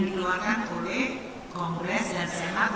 dan kemudian diperhatikan oleh kongres dan senat